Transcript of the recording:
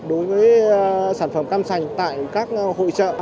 đối với sản phẩm cam sành tại các hội trợ